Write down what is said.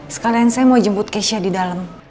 sekalian saya mau jemput keisha di dalam